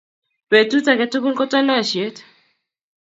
Betut aketukul ko talosiet